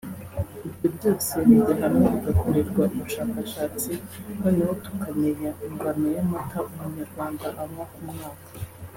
Ibyo byose bijya hamwe bigakorerwa ubushakashatsi noneho tukamenya ingano y’amata umunyarwanda anywa ku mwaka